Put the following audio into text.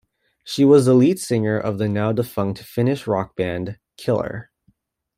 She was the lead singer of the now defunct Finnish rock band Killer.